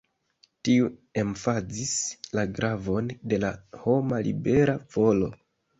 Tiu emfazis la gravon de la homa libera volo.